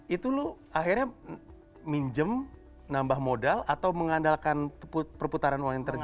itu lo akhirnya minjem nambah modal atau mengandalkan perputaran uang yang terjadi